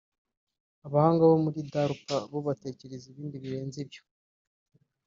Abahanga bo muri Darpa bo batekereza ibindi birenze ibyo